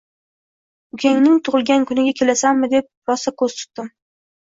Ukangning tug‘ilgan kuniga kelasanmi, deb rosa ko‘z tutdim